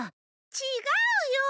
違うよ！